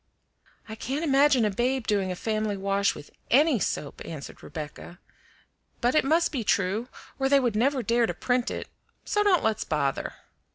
"I can't imagine a babe doing a family wash with ANY soap," answered Rebecca; "but it must be true or they would never dare to print it, so don't let's bother.